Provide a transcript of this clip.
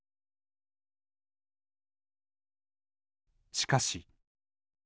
しかし。